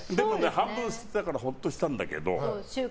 半分捨てたからほっとしたんだけど。